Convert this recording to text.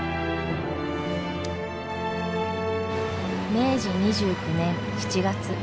明治２９年７月。